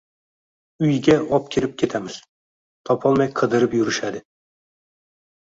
Uyga opkirib ketamiz, topolmay qidirib yurishadi.